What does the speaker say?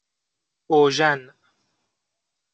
اوژن